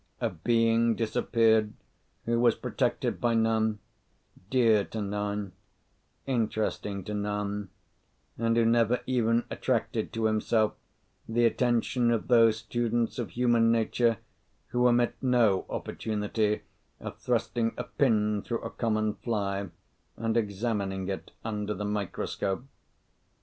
A being disappeared who was protected by none, dear to none, interesting to none, and who never even attracted to himself the attention of those students of human nature who omit no opportunity of thrusting a pin through a common fly, and examining it under the microscope.